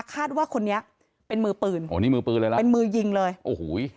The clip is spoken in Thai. คาดว่าคนนี้เป็นมือปืนโอ้นี่มือปืนเลยล่ะเป็นมือยิงเลยโอ้โห